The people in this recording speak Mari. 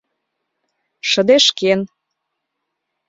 Шыдешкен